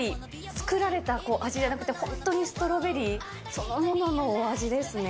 作られた味じゃなくて、本当にストロベリーそのもののお味ですね。